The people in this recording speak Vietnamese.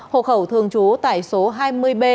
hồ khẩu thường trú tại số hai mươi b